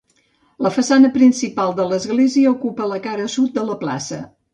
La façana principal de l'església ocupa la cara sud de la plaça.